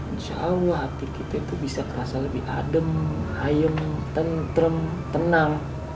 insya allah hati kita itu bisa terasa lebih adem ayem tentrem tenang